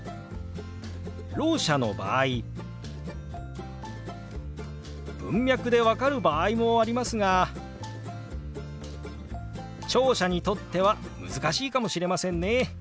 ろう者の場合文脈で分かる場合もありますが聴者にとっては難しいかもしれませんね。